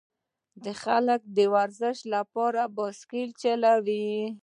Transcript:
خلک د ورزش لپاره بایسکل چلوي.